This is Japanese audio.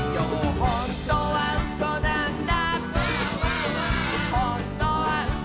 「ほんとにうそなんだ」